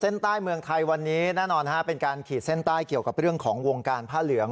เส้นใต้เมืองไทยวันนี้แน่นอนเป็นการขีดเส้นใต้เกี่ยวกับเรื่องของวงการผ้าเหลือง